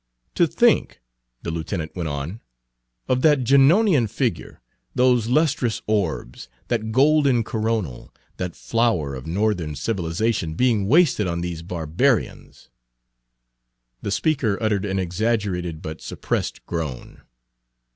"To think," the lieutenant went on, "of Page 161 that Junonian figure, those lustrous orbs, that golden coronal, that flower of Northern civilization, being wasted on these barbarians!" The speaker uttered an exaggerated but suppressed groan.